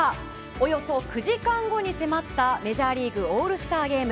およそ９時間後に迫ったメジャーリーグのオールスターゲーム。